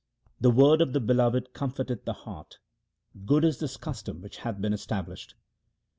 The word of the Beloved comforteth the heart ; good is this custom which hath been established.